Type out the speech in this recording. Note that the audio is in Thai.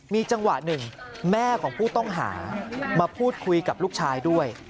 มีจังหวะหนึ่งแม่ของผู้ต้องหามาพูดคุยกับลูกชายด้วย